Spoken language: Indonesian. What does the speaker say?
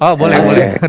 oh boleh boleh